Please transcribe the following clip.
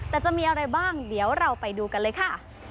แต่จะมีอะไรบ้างเดี๋ยวเราไปดูกันเลยค่ะ